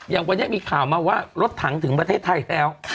อย่างวันนี้มีข่าวมาว่ารถถังถึงประเทศไทยแล้ว